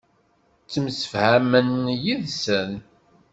Ttemsefhamen yid-sen.